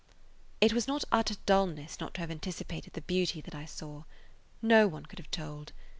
It was not utter dullness not to have anticipated the beauty that I saw. No one could have told.